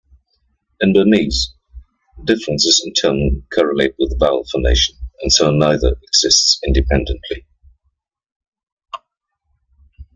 In Burmese, differences in tone correlate with vowel phonation and so neither exists independently.